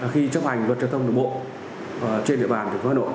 khi chấp hành luật trật thông đồng bộ trên địa bàn